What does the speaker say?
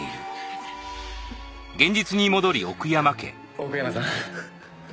奥山さん。